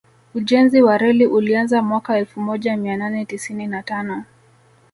Ujenzi wa reli ulianza mwaka elfu moja mia nane tisini na tano